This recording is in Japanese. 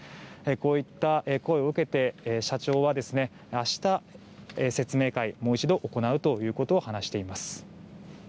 こういった声を受けて社長は明日、説明会をもう一度行うということを話しています。